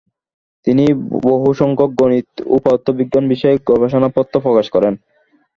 তিনি বহুসংখ্যক গণিত ও পদার্থবিজ্ঞান বিষয়ক গবেষণাপত্র প্রকাশ করেন।